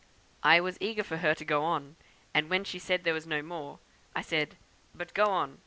I was eager for her to go on, and when she said there was no more, I said, 'but go on!